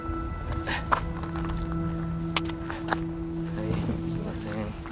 はいすいません。